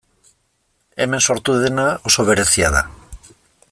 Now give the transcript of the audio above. Hemen sortu dena oso berezia da.